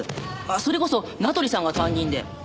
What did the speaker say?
それこそ名取さんが担任で。